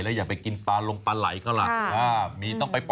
แล้วก็อยากไปกินปลาลงปลายก็ล่ะ